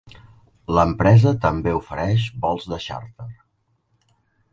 L'empresa també ofereix vols de xàrter.